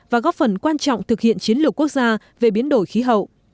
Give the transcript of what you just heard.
và góp phần quan trọng thực hiện chiến lược quốc gia về biến đổi khí hậu